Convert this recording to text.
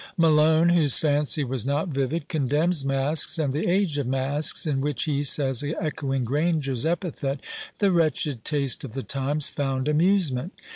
Malone, whose fancy was not vivid, condemns Masques and the age of Masques, in which, he says, echoing Granger's epithet, "the wretched taste of the times found amusement."